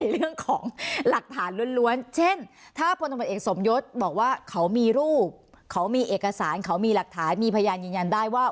เรื่องของหลักฐานล้วนเช่นถ้าพลตำรวจเอกสมยศบอกว่าเขามีรูปเขามีเอกสารเขามีหลักฐานมีพยานยืนยันได้ว่า